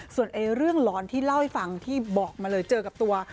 ส่วนเรื่องร้อนที่เล่าให้ฟังที่บอกมาเลยเจอกับตัว